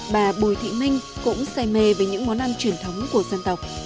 bà bùi thị minh cũng say mê với những món ăn truyền thống của dân tộc